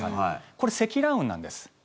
これ積乱雲なんです。